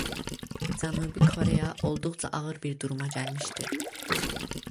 Cənubi Koreya olduqca ağır bir duruma gəlmişdi.